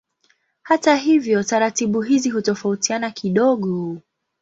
Hata hivyo taratibu hizi hutofautiana kidogo.